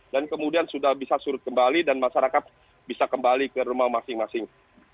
dan kemudian sudah bisa surut kembali dan masyarakat bisa kembali ke rumah masing masing